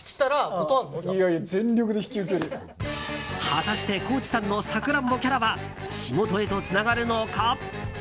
果たして高地さんのサクランボキャラは仕事へとつながるのか。